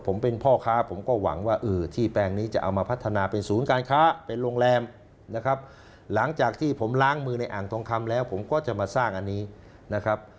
ผมก็จะมาสร้างอันนี้นะครับ